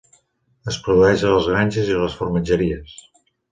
Es produeix a les granges i a les formatgeries.